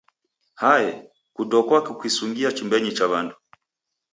Hae, kudokwa kukisungia chumbenyi cha w'andu.